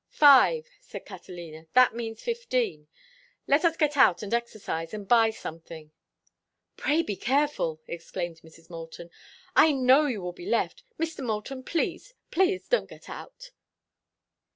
"Five!" said Catalina. "That means fifteen. Let us get out and exercise and buy something." "Pray be careful!" exclaimed Mrs. Moulton. "I know you will be left. Mr. Moulton, please—please don't get out."